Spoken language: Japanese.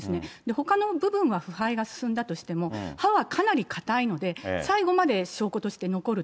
ほかの部分は腐敗が進んだとしても、歯はかなりかたいので、最後まで証拠として残ると。